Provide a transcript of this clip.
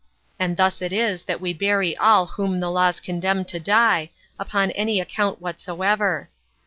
And thus it is that we bury all whom the laws condemn to die, upon any account whatsoever.